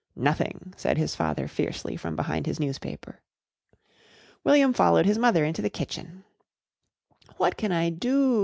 "Nothing!" said his father fiercely from behind his newspaper. William followed his mother into the kitchen. "What can I do?"